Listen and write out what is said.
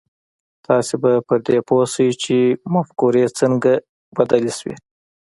تاسې به پر دې پوه شئ چې مفکورې څنګه بدلې شوې.